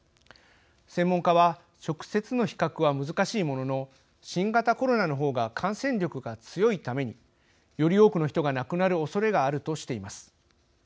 専門家は直接の比較は難しいものの新型コロナの方が感染力が強いためにより多くの人が亡くなるおそれがあるとしています。